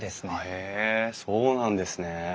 へえそうなんですね。